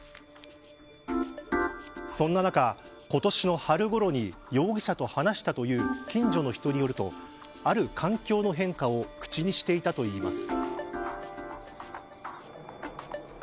そんな中、今年の春ごろに容疑者と話したという近所の人によるとある環境の変化を口にしていたといいます。